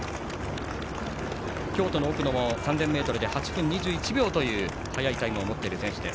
京都の奥野も３０００ｍで８分２１秒という速いタイムを持っている選手です。